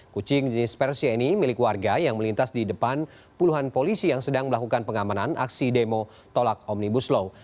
kucing jenis persia ini milik warga yang melintas di depan puluhan polisi yang sedang melakukan pengamanan aksi demo tolak omnibus law